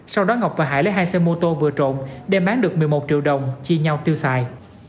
sau đó ngọc và hải lấy hai xe mô tô vừa trộm đem bán được một mươi một triệu đồng chia nhau tiêu xài